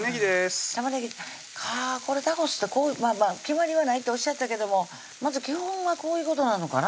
玉ねぎはぁタコスってまぁまぁ決まりはないとおっしゃったけどもまず基本はこういうことなのかな？